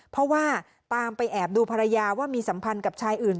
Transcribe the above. เพราะว่าตามไปแอบดูภรรยาว่ามีสัมพันธ์กับชายอื่น